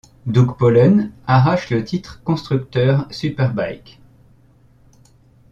Doug Polen arrache le titre constructeur superbike.